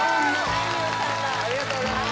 やったありがとうございます